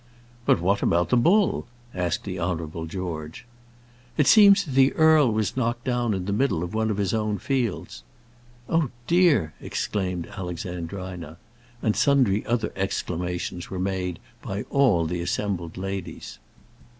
"But what about the bull?" asked the Honourable George. "It seems that the earl was knocked down in the middle of one of his own fields." "Oh, dear!" exclaimed Alexandrina. And sundry other exclamations were made by all the assembled ladies.